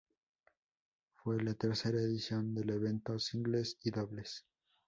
Fue la tercera edición del evento singles y dobles.